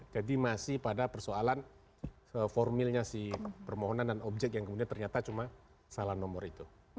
jadi masih pada persoalan formilnya si permohonan dan objek yang kemudian ternyata cuma salah nomor itu